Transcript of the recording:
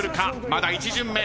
まだ１巡目。